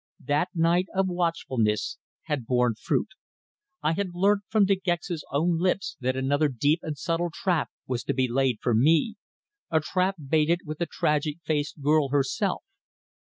That night of watchfulness had borne fruit. I had learnt from De Gex's own lips that another deep and subtle trap was to be laid for me a trap baited with the tragic faced girl herself.